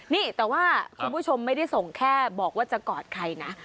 นี่แต่ว่าคุณผู้ชมไม่ได้ส่งแค่บอกว่าจะกอดใครนะ